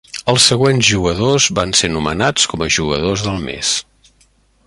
Els següents jugadors van ser nomenats com a jugadors del mes.